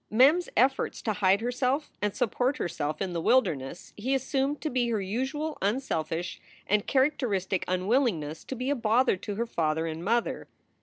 Mem s efforts to hide herself and support herself in the wilderness he assumed to be her usual unselfish and char acteristic unwillingness to be a bother to her father and mother.